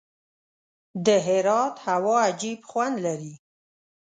د هرات هوا عجیب خوند لري.